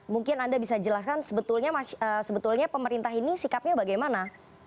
mungkin anda bisa jelaskan sebetulnya pemerintah ini sikapnya bagaimana